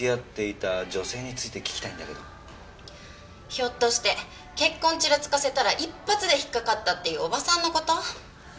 ひょっとして結婚ちらつかせたら一発で引っかかったっていうおばさんの事？